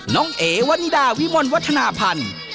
น้องเอวันนิดาวิมลวัฒนาพันธ์